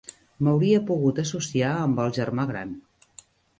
M'hauria pogut associar amb el germà gran.